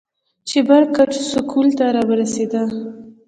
چې بر کڅ سکول ته راورسېدۀ ـ